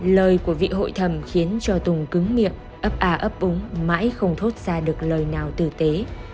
lời của vị hội thầm khiến cho tùng cứng miệng ấp à ấp úng mãi không thốt ra được lời nào tử tế